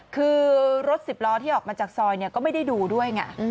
คือรถสิบล้อที่ออกมาจากซอยก็ไม่ได้ดูด้วยไง